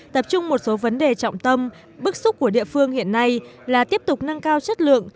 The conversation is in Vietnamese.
tập trung một số vấn đề trọng tâm bước xúc của địa phương hiện nay là tiếp tục nâng cao chất lượng